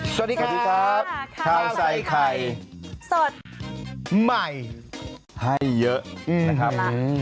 สวัสดีครับข้าวใส่ไข่สดใหม่ให้เยอะนะครับ